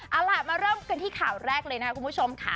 เอาล่ะมาเริ่มกันที่ข่าวแรกเลยนะคุณผู้ชมค่ะ